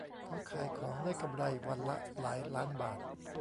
เขาขายของได้กำไรวันละหลายล้านบาท